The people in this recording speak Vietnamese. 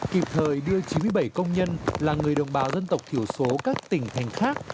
kịp thời đưa chín mươi bảy công nhân là người đồng bào dân tộc thiểu số các tỉnh thành khác